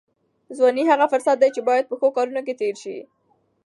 ځواني هغه فرصت دی چې باید په ښو کارونو کې تېر شي.